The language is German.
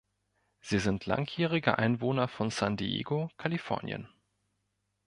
Sie sind langjährige Einwohner von San Diego, Kalifornien.